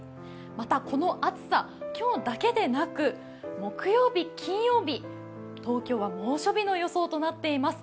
また、この暑さ、今日だけでなく、木曜日、金曜日、東京は猛暑日の予想となっています。